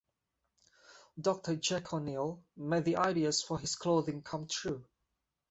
Doctor Jack O'Neal made the ideas for his clothing come true.